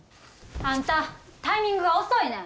あんたタイミングが遅いねん！